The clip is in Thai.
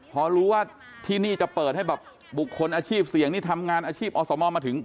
พอรู้ว่าที่นี่จะเปิดให้แบบบุคคลอาชีพเสี่ยงนี่ทำงานอาชีพอสมมาถึง